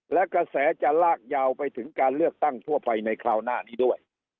และกระแสจะลากยาวไปถึงการเลือกตั้งทั่วไปในคราวหน้านี้ด้วย